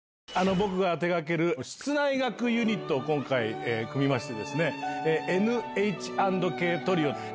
僕が手掛ける室内楽ユニットを今回組みまして。